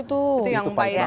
itu yang pahit banget